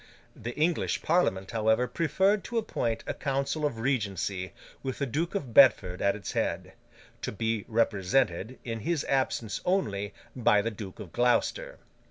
The English Parliament, however, preferred to appoint a Council of Regency, with the Duke of Bedford at its head: to be represented, in his absence only, by the Duke of Gloucester.